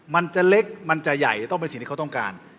มันจะเล็กมันจะใหญ่ต้องเป็นสิ่งที่เขาต้องการ